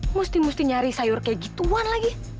mesti mesti nyari sayur kayak gituan lagi